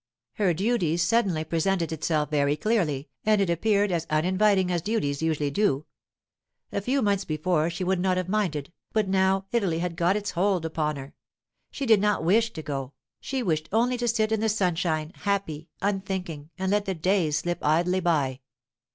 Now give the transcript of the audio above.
Her duty suddenly presented itself very clearly, and it appeared as uninviting as duties usually do. A few months before she would not have minded, but now Italy had got its hold upon her. She did not wish to go; she wished only to sit in the sunshine, happy, unthinking, and let the days slip idly by.